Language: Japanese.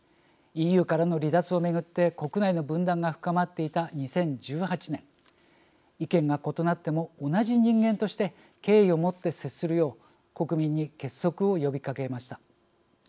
ＥＵからの離脱を巡って国内の分断が深まっていた２０１８年意見が異なっても同じ人間として敬意をもって接するよう国民に結束を呼びかけました。